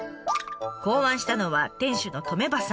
考案したのは店主の留場さん。